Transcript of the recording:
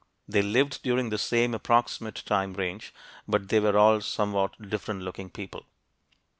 They lived during the same approximate time range but they were all somewhat different looking people.